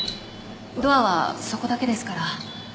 ドアはそこだけですから。